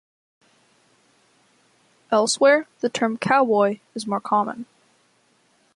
Elsewhere, the term "cowboy" is more common.